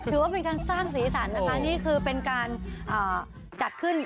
ถือว่าเป็นการสร้างสีสันนะคะนี่คือเป็นการจัดขึ้น